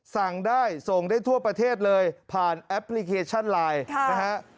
สั่งได้ส่งได้ทั่วประเทศเลยผ่านแอปพลิเคชันไลน์นะฮะ